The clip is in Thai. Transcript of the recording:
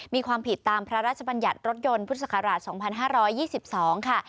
มีความผิดตามพระราชบัญญัติรถยนต์พุทธศักราชสองพันห้าร้อยยี่สิบสองค่ะ